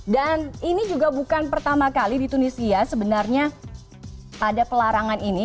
dan ini juga bukan pertama kali di tunisia sebenarnya ada pelarangan ini